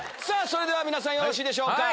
それでは皆さんよろしいでしょうか。